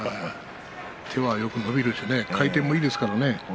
手はよく伸びるし回転もいいですからね。